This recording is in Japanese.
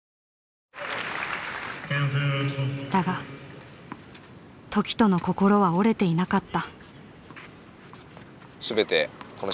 だが凱人の心は折れていなかった。